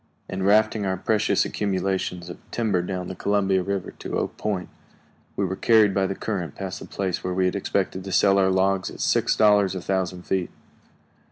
] In rafting our precious accumulations of timber down the Columbia River to Oak Point, we were carried by the current past the place where we had expected to sell our logs at six dollars a thousand feet.